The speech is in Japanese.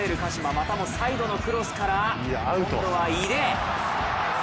またもサイドのクロスから今度は井出。